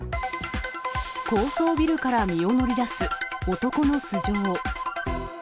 高層ビルから身を乗り出す男の素性。